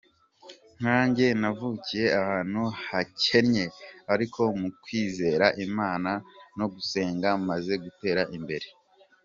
Nkanjye navukiye ahantu hakennye ariko mu kwizera Imana no gusenga maze gutera imbere.